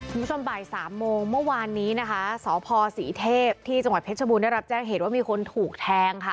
คุณผู้ชมบ่ายสามโมงเมื่อวานนี้นะคะสพศรีเทพที่จังหวัดเพชรบูรได้รับแจ้งเหตุว่ามีคนถูกแทงค่ะ